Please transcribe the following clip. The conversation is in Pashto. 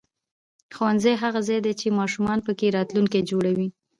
ښوونځی هغه ځای دی چې ماشومان پکې راتلونکی جوړوي